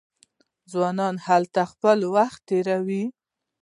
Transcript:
ځوانان هلته خپل وخت تیروي.